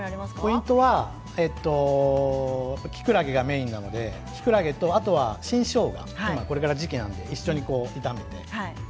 ポイントはきくらげがメインなのであとは新しょうがこれからが時期なので一緒に炒めていきます。